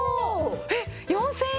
えっ４０００円